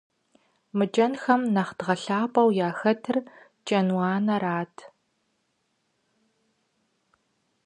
Мы кӀэнхэм нэхъ дгъэлъапӀэу яхэтыр «кӀэнуанэрат».